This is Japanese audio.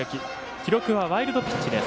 記録はワイルドピッチです。